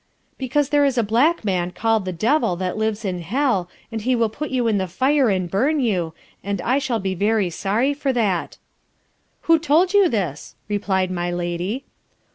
Because there is a black man call'd the Devil that lives in hell, and he will put you in the fire and burn you, and I shall be very sorry for that. Who told you this replied my lady?